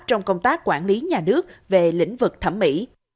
trong công tác quản lý nhà nước về lĩnh vực thẩm mỹ